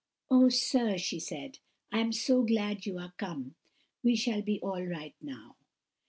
"Oh, sir," she said, "I am so glad you are come! We shall be all right now."